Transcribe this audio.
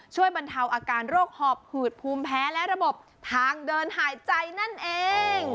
บรรเทาอาการโรคหอบหืดภูมิแพ้และระบบทางเดินหายใจนั่นเอง